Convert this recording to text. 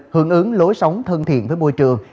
hưởng ứng lối sống thân thiện với môi trường